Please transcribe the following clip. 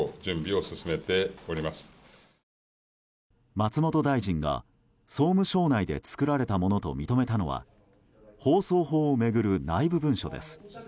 松本大臣が、総務省内で作られたものと認めたのは放送法を巡る内部文書です。